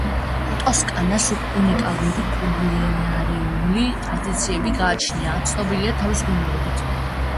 ტოსკანას უნიკალური კულინარიული ტრადიციები გააჩნია, ცნობილია თავის ღვინოებით.